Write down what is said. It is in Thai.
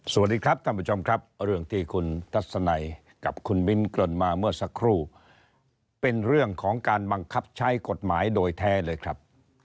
สวัสดีครับท่านผู้ชมครับเรื่องที่คุณทัศนัยกับคุณมิ้นเกริ่นมาเมื่อสักครู่เป็นเรื่องของการบังคับใช้กฎหมายโดยแท้เลยครับ